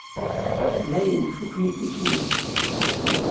Dayen, fukken itikiyen.